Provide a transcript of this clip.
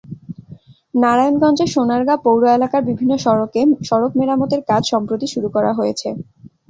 নারায়ণগঞ্জের সোনারগাঁ পৌর এলাকার বিভিন্ন সড়ক মেরামতের কাজ সম্প্রতি শুরু করা হয়েছে।